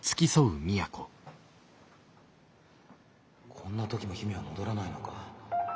こんな時も姫は戻らないのか？